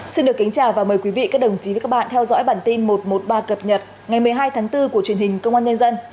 xin được kính chào và mời quý vị các đồng chí với các bạn theo dõi bản tin một trăm một mươi ba cập nhật ngày một mươi hai tháng bốn của truyền hình công an nhân dân